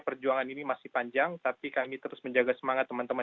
perjuangan ini masih panjang tapi kami terus menjaga semangat teman teman